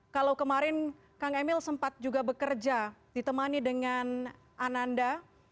kalau kemarin kang emil sempat juga bekerja ditemani dengan ananda